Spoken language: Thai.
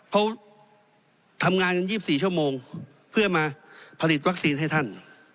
เขาทำงานกัน๒๔ชั่วโมงเพื่อมาผลิตวัคซีนให้ท่าน